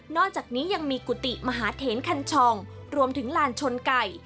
อกจากนี้ยังมีกุฏิมหาเถนคันชองรวมถึงลานชนไก่